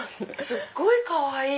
すっごいかわいい！